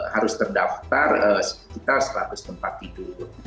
harus terdaftar sekitar seratus tempat tidur